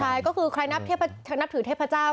ใช่ก็คือใครนับถือเทพเจ้า